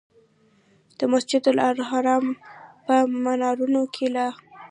د مسجدالحرام په منارونو کې لا.